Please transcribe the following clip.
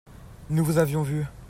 Nous vous avions vu.